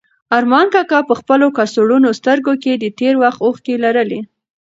ارمان کاکا په خپلو کڅوړنو سترګو کې د تېر وخت اوښکې لرلې.